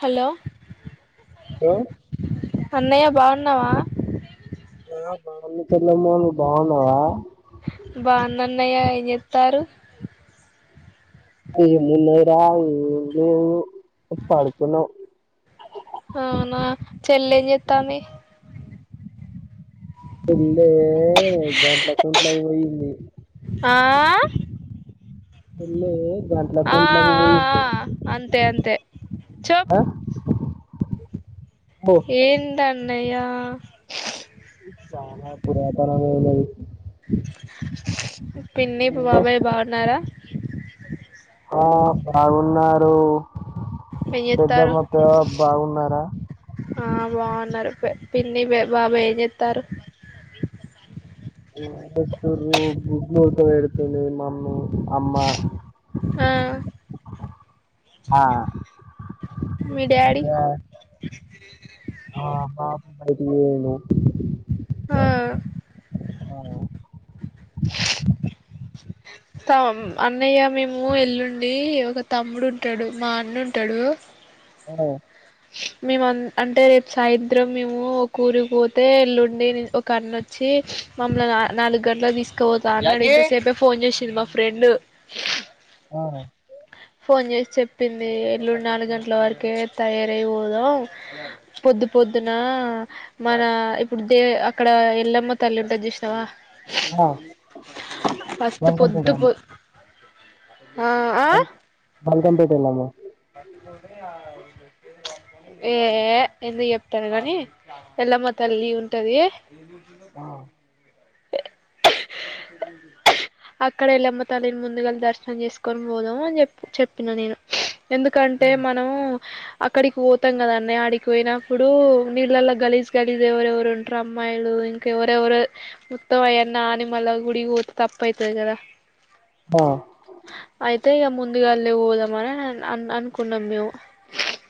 Hello hello అన్నయ్య బాగున్నావా? ఆ బాగున్న చెల్లమ్మ. నువ్వు బాగున్నావా? అన్నయ్య ఏం చేత్తారు? ఏమున్నాయి రా! ఏం లేదు. పడుకున్నా. అవునా చెల్లేమ్ చేత్తాంది? చెల్లె దాంట్లో కుంట్లక్ పోయింది. ఆ చెల్లె దాంట్లో ఆ ఆ కుంట్లక్ ఆ పోయింది. అంతే అంతే చెప్ ఆ అబ్బో ఏంట్ అన్నయ్య? చాలా అప్పురా తనక్ పోయినది. పిన్ని బాబాయ్ బాగున్నారా? ఆ బాగున్నారు. ఏం చేత్తారు పెద్దమ్మత్తయ్య బాగున్నారా? ఆ బాగున్నారు. పిన్ని బాబాయ్ ఏం చేత్తారు? గుడ్లిస్తురు. గుడ్లు ఉడక పెడుతుంది మమ్మీ. అమ్మ ఆ ఆ మీ డాడి? ఆ బాపు బయటికి పోయిండు. ఆ తమ్ అన్నయ్య మేము ఎల్లుండి ఒక తమ్ముడు ఉంటాడు. మా అన్నుంన్టాడు. డు ఆ మేము అంటే రేపు సాయంత్రం మేము ఒక ఊరికి పోతే ఎల్లుండి ఒక అన్నొచ్చి, ఇ మమ్మల్ని నాలుగు గంటలకు తీసుకపోతానునేసేపే ఫోన్ చేసింది మా ఫ్రెండ్. ఆ ఫోన్ చేసి చెప్పింది. ఎల్లుండు నాలుగు గంటల వరకే తయారయిపోదాం. పొద్దు పొద్దు పొద్దున మన ఇప్పుడు దే అక్కడ ఎల్లమ్మ తల్లి ఉంటుది చూసినావా ఆ ఫస్ట్ బల్కంపేట పొద్దు పొ వెళ్ళాము ఆ ఆ బాల్కం పెటేల్లమ్మ ప ఆ ఏ ఎందుకు చెప్తారు గాని ఎల్లమ్మ తల్లి ఉంటది ఆ అక్కడ వెళ్ళమ్మ తళ్ళిని ముందుగలి దర్శనం చేసుకొని పోదాము అని చెప్ చెప్పిన నేను ఎందుకంటే మనం అక్కడికి పోతాం కదా అన్నయ్య ఆడికి పోయినప్పుడు నీళ్ళల్ల గలీజ్ గలీజ్ ఎవరెవరు ఉంటారు అమ్మా మైలు ఇంకా ఎవరెవరు మొత్తం అయన్ని ఆనిమల్ల గుడికి పోతే తపైతది కదా ఆ అంతే ఇగ ముందుగాళ్ళే పోదామని అని అనుకున్నాం మేము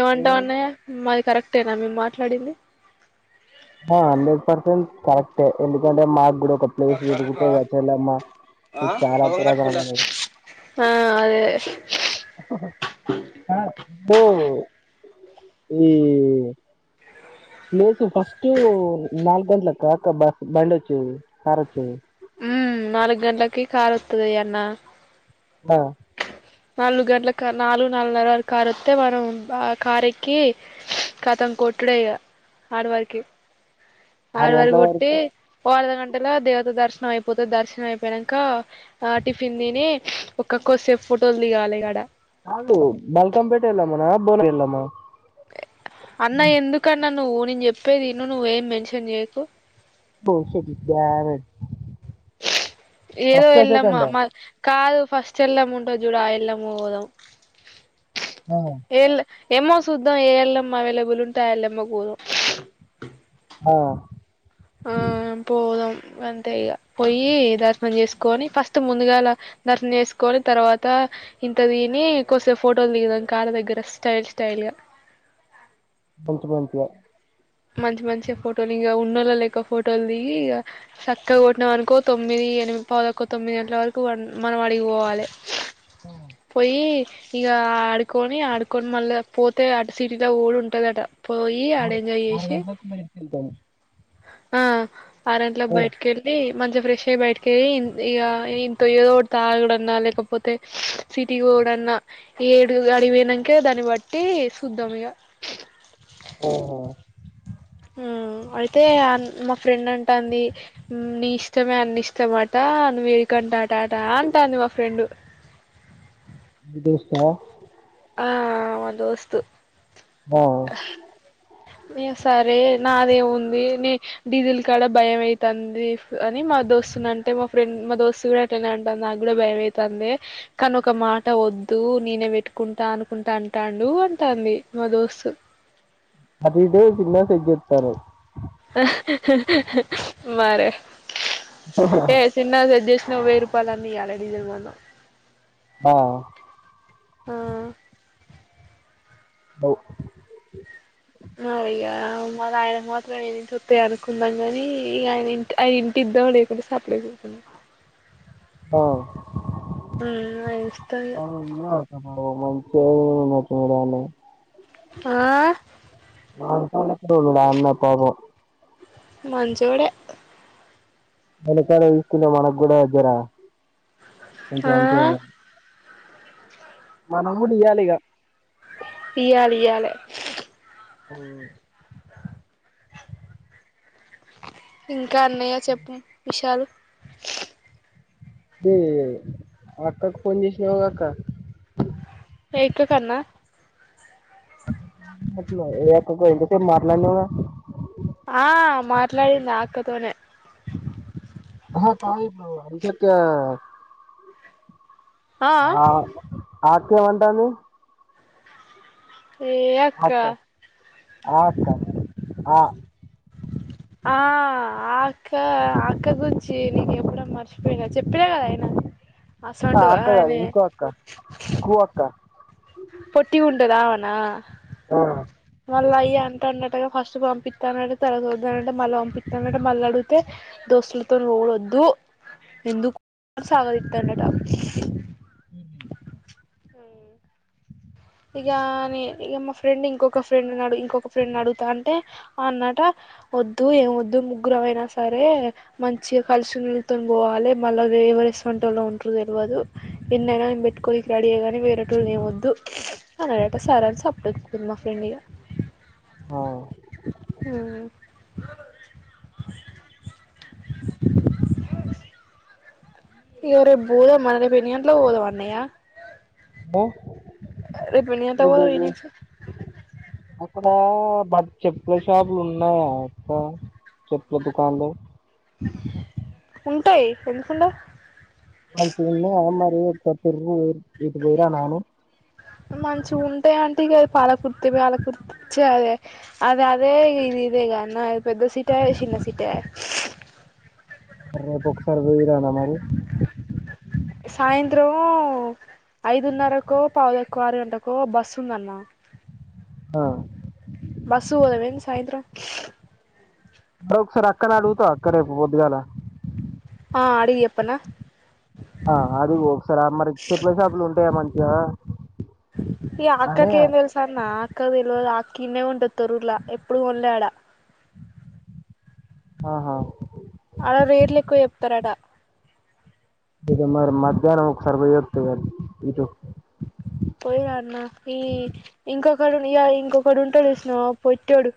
ఏమంటావ్ ఏమైంది? అన్నయ్య మాది కరెక్టేనా మేము మాట్లాడింది హ హండ్రెడ్ పర్సెంట్ కరెక్టే ఎందుకంటే మాగ్గుడ ప్లేస్ తిరుగుతది కద చెల్లెమ్మ ఆ చాల మొఖం కడుక్కుంటా [unintelligible] ఆ అదే పో ఈ ఏ ఫస్ట్టు నల్ గంట్లక అక్క బ బండోచ్చింది కారోచ్చింది మ్ నాలుగు గంటలకి కార్ ఒత్తది అన్న ఆ నాలుగు గంటల క్ నాలుగు నాలుగున్నర వరకు కారోస్తే మనం ఆ కారెక్కి కతం కొ ఎక్కుడే ఇగ ఆడివారికి ఆరు ఆడివారికి గంటల కొట్టి వరకు ఒ అర్థగం టలా దేవత దర్శనం అయిపోతది దర్శనం అయిపోయినంకా ఆ టిఫిన్ తిని క్క కోసేపు ఫోటోలు దిగాలే ఇగ అడ కదు బాల్కంపేట ఎల్లమ్మ నా బో ఎల్లమ్మ అన్న ఎందుకన్న నువ్వు నేను చెప్పేది విను నువ్వు ఏం మెన్షన్ చేయకు ఒకే తి గ్య [unintelligible] ఏదో ఎల్లమ్మ మద్ కాదు ఫస్ట్ ఎల్లమ్మ ఉంటది చూడు ఆ ఎల్లమ్మకు పోదాం అ ఎమ్మో సుద్దం ఏ ఎల్లమ్మ అవైలబుల్ ఉంటే ఆ ఎల్లమ్మకు పోదాం ఆ గంతే ఇగ పోయి దర్శనం చేసుకొని ఫస్ట్ ముందుగాలా దర్శనం చేసుకొని తర్వాత ఇంత దిని కొసేప్ ఫోటోల్ దిగుదాం కారు దగ్గర స్టైల్ స్టైల్ గా మంచి మంచిగ మంచి మంచిగ ఫోటోలు ఇగ ఉన్నోళ్ళ లేక్క ఫోటోలు దిగి ఇగ సక్కగా కొట్టినం అనుకో తొమ్మిది ఎనిమి పావ్ తక్కువ తొమ్మిది గంటల వరకు మనం అడిగిపోవాలే ఆ! పోయ్యి ఇగ ఆడుకొని ఆడుకొని మళ్ళ పోతే అటు సిటీలక్ పోవుడు ఉంటదట పోయి ఆడ ఎంజాయ్ చేసి దాని కోసం బైటికెళ్తారు ఆ ఆర్గంట్లక్ బైటికేళ్ళి మంచిగా ఫ్రెష్ అయ్యి బయటికీ పోయి ఇగ ఇంత ఏదోటి తాగుడన్నా లేకపోతే సిటీ చూడన్నా ఏడు అడికిపోయినంక ఇగ దాన్ని బట్టి సుద్ధం ఇగ ఆహ హుమ్ అయితే మా ఫ్రెండ్ అంటంది నీ ఇష్టమే అన్న ఇష్టమాట నువ్ ఎడిక కంటే అంటాట అంటంది మ ఫ్రెండ్ మీ దోస్త ఆ అ మా దోస్తు ఆ ఈ సరే నాదేముంది నీ డీజిల్ కాడ భయం అయితంది ఫ్ అని మా. దోస్తు అంటే మా ఫ్రెం, మా దోస్తు కూడా అట్లనే అంటంది. నాగుడా భయమైతాందే కానీ ఒక మాట వ. ద్దు నేనే పెట్టుకుంటా అనుకుంటా అంటాడు అంటాంది మా దోస్తు. అది [unintelligible] సిగ్నల్ చెక్ చేస్తారు. మరే ఏ చిన్న సెట్జెస్. నువ్వు వెయ్యి రూపాయలన్న ఇయ్యాలే డీజర్ [unintelligible] ఆ ఆ ఔ మరిగా మరాయన మాత్రం ఏ [unintelligible] అనుకుందాం గాని, ఇగ ఆయన ఇంటి ఆయన ఇంటి. డోర్ తీయకుంటే సప్పుడు కాకుండా కూర్చుందాం. అరే ఆయన ఇస్తాడు ఇగ [unintelligible] [unintelligible] ఇంగా చూడాలి. ఆ [unintelligible] ఆయమ్మ పాపం. మంచోడే మునక్కాయలు తీసుకున్న మనకు కూడా జరా కొంచం. ఆ [unintelligible] మనక్కూడా ఇయ్యాలిగా. ఇయాల ఇయాలే అ ఇంకా అన్నయ్య చెప్ప విషయాలు. ఏ అక్కకు ఫోన్ చేసినావుగాక్క. [unintelligible] కన్నా [inaudible] [unintelligible] ఇంతసేపు మాట్లాడినావుగా. ఆ మాట్లాడినాక్కతోనే హొ కాదు ఇప్పుడు [unintelligible] షక్క ఆ అక్క ఏమంటంది అక్క ఆక్క ఆ ఆ అక్క, అక్క గుంచ్చి నీకు ఎప్పుడో మర్చిపోయినా చెప్పినా, కదా ఆయన. ఆ అక్క కాదు అసంటఆనీ ఇంకో అక్క కు అక్క పొట్టి గుంట దామనా ఆ వాళ్ల అయ్యా. టన్నట్టగా ఫస్ట్ పంపిత్త [unintelligible] తర్వాత వద్దన్నాడటా, మళ్ళీ పంపిత్తనన్నాడట మల్ల అడుగుతే దోస్తులతోను. వద్దు ఎందు అని సాగదిత్తాండట. ఉహు ఇగా నే ఇగ మా ఫ్రెండ్ ఇంకొక ఫ్రెండ్డు ఉన్నాడు, ఇంకొక ఫ్రెండ్ అడుతంటే అన్నట. వద్దు ఏం వద్దు ముగ్గుర అయినా సరే, మంచిగా కలిసి నిళ్ళతుని పోవాలే మళ్ళా వే. ఏవరెస్ వంటోల్లో ఉంట్రరో తెలివదు ఎన్నైనా నేన్ పెట్టుకొనికి రెడీయగానీ వేరేటోల్ లే వద్దు. అనడట సారా అని సప్పుడు కా [unintelligible] మా ఫ్రెండిగా. అ ఇగో రేపు పోదాం మల్ల రేపు ఎన్ని గంటలకు పోదాం అన్నయ్య. బా రేపు ఎన్ని గంటలకు పోదాం ఈ నుంచి అక్కడ బట్ చెప్పుల షాపులు ఉన్నాయా అక్క? చెప్పుల దుకాండ్లు ఉంటాయి ఎందుకుండవ్ మంచి ఉన్నయా మరి చెప్పులు [unintelligible] ఇటికి పోయిరానీ. మంచిగా ఉంటాయి అంటే ఇగే పాలకుర్తి, పాలకుర్తిచ్చదే అది అదే, ఇది ఇదే. ఇదే గా నా పెద్ద సిటా, చిన్న సిటీ [unintelligible] రేపు ఒక్కసారి రీ రానా మరి సాయంత్రమ్ ఐదు ఉన్నరకో పౌవు దక్కు ఆరు గంటకో బస్ ఉంద అన్న ఆ బస్సు పోదవేన్ సాయంత్ర ప్రోక్స్ రక్కల [inaudible] అక్కన అడుగుతా అక్క రేపు పొద్దుగాల ఆ అడిగి చేప్పనా ఆ అది ఒక సారి అమ్మని అడిగితే ప్లే షాప్ లో ఉంటాయ్ మంచిగా ఈ అని అక్కకి ఏమ్ తెల్స్ అన్నా అక్కక్ దేల్వద్ అ కిన్నె ఉంట అది తొరుల్లా ఎప్పుడు వోళ్యాడా ఆహా ఆడ రీర్లిక్కు చెప్తార అటా ఇక మరి మధ్యాహ్ననం సర్వ చేత్తు గాని లే ఇటు పోయి రా అన్న ఈ ఇంకొకడు నీలా ఇంకొకడు ఉంటాడు అసులు పొట్టోడు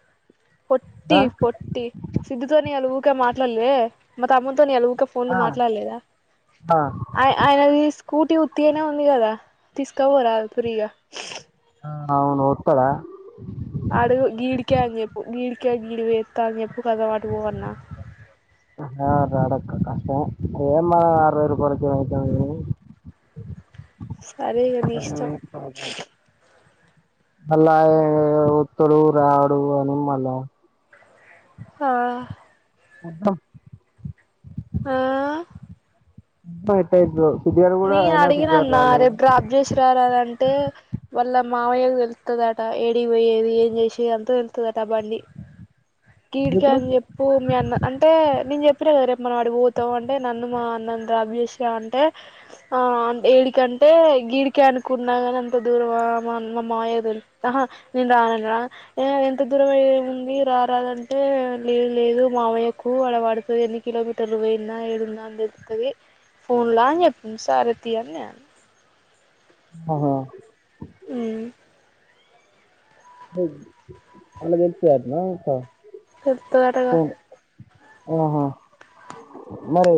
పొట్టి ఆ పొట్టి సిద్ధుతోనే అలు ఊక మాట్లాల్వే మా తమ్ముడ్నీతో ఇయాల ఊ ఇక ఫోన్లు ఆ మాట్లాడలేదా ఆ ఆయ్ ఆయన అది స్కూటీ ఉత్తిగానే ఉంది కదా తీస్ కోపోరాదు ఫ్రీగా ఆ అవును ఊర్కోరా ఆడుగు గీడికే అని చెప్పు గీడికే గీడి వేస్తా అని చెప్పు కదా వాటు పో అన్న ఆ ద అడఅక్కు ఎ మ్మా అర్ వై రుపాయలకు [inaudible] సరే ఇగా నీ ఇష్టం అల్లా ఇ ఊత్తడు రాడు అని మల్లా హ మొత్తం ఆ పైతే బ్రో నేను అడిగిన అన్న రేపు క్రాబ్ చేసిరార అని అంటే వాళ్ళ మామయ్య తెలుత్త అది అంట ఏడి పోయేది ఏం చేసేది అంత తేలుస్తుద అంట అవ అన్ని కీడికా ఎందుకు అని చెప్పు మీ అన్న అంటే నేను చెప్పు ఇప్పుడేరేపు మనం అడిపోతాం అంటే నన్ను మా అన్నంద అభేస అంటే ఆ ఏడికంటే అంటే గీడికే అనుకున్నా కాని అంత దూరం మా మాయదిహా నేను రానను రా ఏ ఎంత దూరం అయి ఉంది రా ఉంటద అంటే లేదు లేదు మామయ్యకు వాడ వాడుతుంది ఎన్ని కిలోమీటర్లు పోయయింద ఏడుంద అ లే అంట అది ఫోన్ లా అన్ చేప్పింది సరేతి అని చెప్పిన ఆహా ఉమ్ అలా [unintelligible] చెప్పుతోరగ ఆహా మరి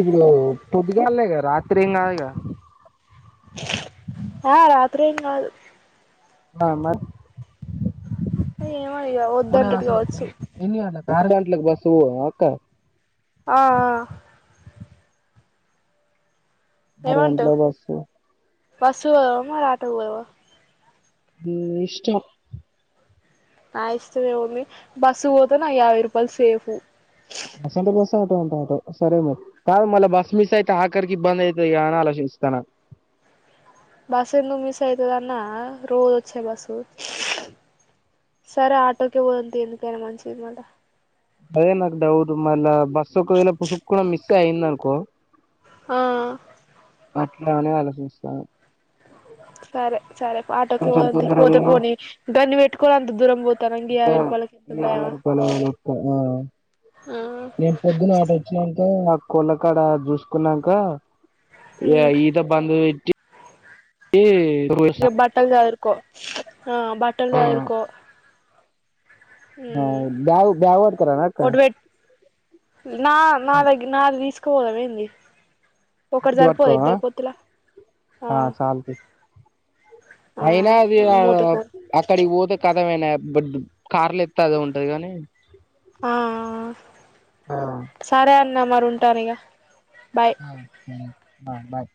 ఇప్పుడు పొద్దుగాల ఇక రాత్రి ఏం కాదుగా త్రీ ఏం కాదు ఆ మరి ఏమో ఇగ మన వద్దంటడు అసలు కావచ్చు ఎన్ని గంటలు ఆరు గంటలకు పోస్తవు అక్క ఆ ఆ ఆరు గంటలకు బోస్తావు బస్సుకు పోదమా మరి ఆటోకు పోదమా నీ ఇష్టం నా ఇష్టమ్ ఎముఉంది బస్సు పోతే నాకు యాభై రూపాయలు సేఫు బస్ అంటే బస ఆటో అంటే ఆట సరే మరి కా మళ్ళ బస్ మిస్ అయితే ఆాకకి బంద అయితే ఎ అనా ఆలోచే ఇస్తన క్ బస్ ఎందుకు మిస్ అయితదన్నా రోజ్ వచ్చే బసు సరే ఆటోకె పోదాం తీ ఎందుకైనా మంచిది మల్ల అదే నాకు డౌట్ మళ్ళా బస్సు ఒకవేళ పుసుకున మిస్ అయింది అనుకో ఆ నాని వాళ్ళ ఫ్రెండ్స్ కాదు సరే సరే ఆటోకి పోంది తొందర పోతే పోనీ గన్ని వెట్టుకో అంత దూరం పో గా యావై రూపాయలు [unintelligible] ఆ నేను పొద్దున్న అటోచ్చినా ఆ కుళ్లకాడ చూసుకున్నాక మ్ ఈత బంధు ఈ ఇగ బట్టలు సదరుకో ఆ బట్టలు ఆ, సదరుకో ఆ బ్యాగు బాగ్ పట్టుకొని రానా అక్క ఒకటి పెట్ నా నా దగ్గ నాది తీసుకోవాలం ఏంది ఒకటి ఇప్పుడు సరిపోద పట్టుకో ఆ, ఇద్దరి పొత్తుల ఆ చాలు తీ. అయినా అది మూతకు అక్కడికి పోదు కా మొత్తం ఐన బడ్ కార్లో ఎత్తే అదే ఉంటది గాని ఆ ఆ సరే అన్న మరి ఉంటాను ఇగ బాయ్ మ్ మ్ అ బాయ్